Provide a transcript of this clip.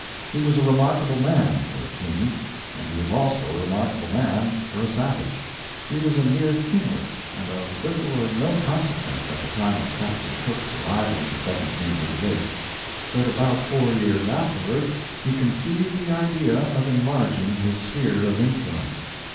He was a remarkable man, for a king; and he was also a remarkable man for a savage. He was a mere kinglet and of little or no consequence at the time of Captain Cook's arrival in 1788; but about four years afterward he conceived the idea of enlarging his sphere of influence.